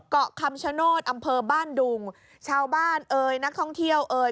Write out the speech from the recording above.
เกาะคำชโนธอำเภอบ้านดุงชาวบ้านเอ่ยนักท่องเที่ยวเอ่ย